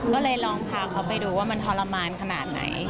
ก็เลยลองพาเขาไปดูว่ามันทรมานขนาดไหน